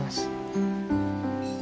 うん。